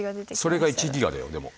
それが１ギガだよでも。